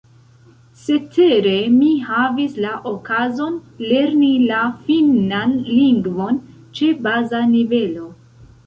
Cetere, mi havis la okazon lerni la finnan lingvon ĉe baza nivelo.